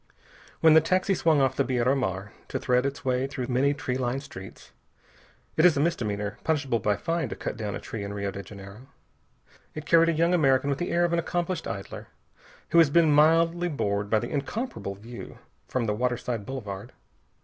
When the taxi swung off the Biera Mar to thread its way through many tree lined streets it is a misdemeanor, punishable by fine, to cut down a tree in Rio de Janeiro it carried a young American with the air of an accomplished idler, who has been mildly bored by the incomparable view from the waterside boulevard.